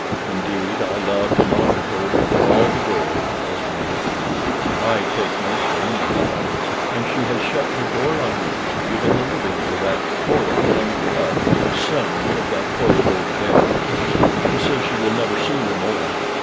"Indeed, I loved and honored her before all the world," Esmond answered. "I take no shame in that." "And she has shut her door on you given the living to that horrid young cub, son of that horrid old bear, Tusher, and says she will never see you more.